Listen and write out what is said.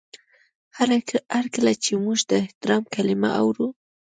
هر کله چې موږ د احترام کلمه اورو.